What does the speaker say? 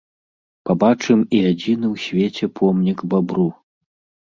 Пабачым і адзіны ў свеце помнік бабру!